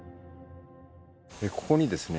ここにですね